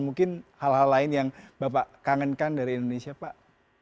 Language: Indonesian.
mungkin hal hal lain yang bapak kangenkan dari indonesia pak